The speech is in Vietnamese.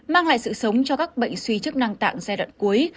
mang lại sự sống cho các bệnh suy chức năng tạng giai đoạn cuối